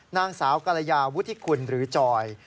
นางสาวกรยาวุฒิคุณหรือจอย